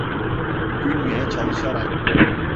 Gülmeye çalışarak: